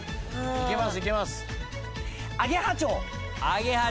いきます。